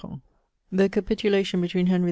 65 The capitulation between Heniy IV.